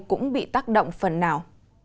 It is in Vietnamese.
cũng bị tác động phần nào